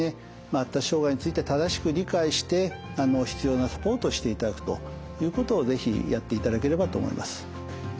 発達障害について正しく理解して必要なサポートをしていただくということを是非やっていただければと思います。